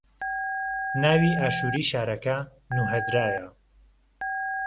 ناوی ئاشوری شارەکە نوھەدرایە